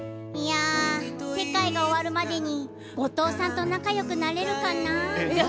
世界が終わるまでに後藤さんと仲よくなれるかな？